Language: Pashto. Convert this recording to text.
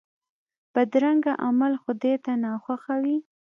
بدرنګه عمل خدای ته ناخوښه وي